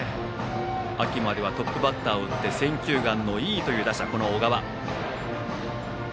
秋まではトップバッターを打って選球眼のいい打者、小川。